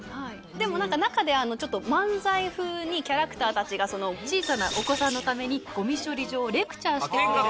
でも中で漫才風にキャラクターたちが小さなお子さんのためにゴミ処理場をレクチャーしてくれる。